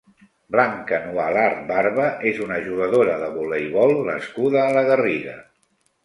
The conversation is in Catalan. Blanca Nualart Barba és una jugadora de voleibol nascuda a la Garriga.